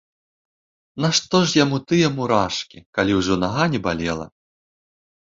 Нашто ж яму тыя мурашкі, калі ўжо нага не балела.